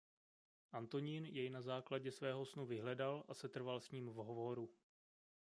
Antonín jej na základě svého snu vyhledal a setrval s ním v hovoru.